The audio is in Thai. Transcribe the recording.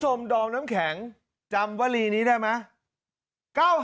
คุณผู้ชมดอมน้ำแข็งจำวลีนี้ได้มั้ย